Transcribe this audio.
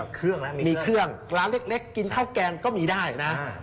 เครื่องมีเครื่องร้านเล็กกินข้าวแกงก็มีได้นะ